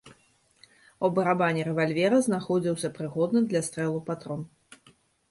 У барабане рэвальвера знаходзіўся прыгодны для стрэлу патрон.